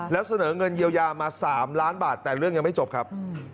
แล้วเสนอเงินเยียวยามา๓ล้านบาทแต่เรื่องยังไม่จบครับ